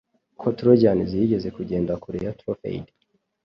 ko Trojans yigeze kugenda kure ya Strophade